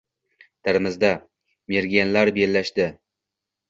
Termizda merganlar bellashding